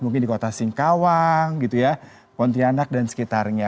mungkin di kota singkawang pontianak dan sekitarnya